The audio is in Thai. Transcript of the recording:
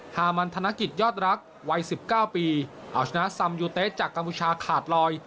ฮามันธนักิจยอดรักวัยสิบเก้าปีเอาชนะซ่ำจากกัมผู้ชาห์ขาดรอย